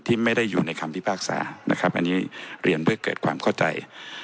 ไม่ได้อยู่ในคำพิพากษานะครับอันนี้เรียนเพื่อเกิดความเข้าใจ